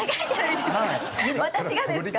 私がですか？